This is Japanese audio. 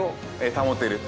保てる。